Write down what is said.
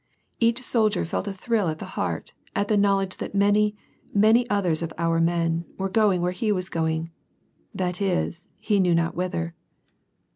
Each soldier felt a thrill at the heart at the knowledge that many, n^any others of our men were going where he was going : that is, he knew not whither.